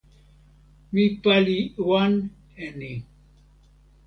mi pali wan e ni.